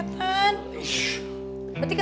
berarti kenapa napa kan